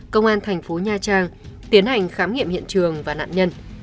công an thành phố nha trang tiến hành khám nghiệm hiện trường và nạn nhân